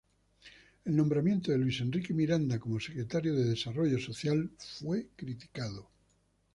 El nombramiento de Luis Enrique Miranda como secretario de Desarrollo Social fue criticado.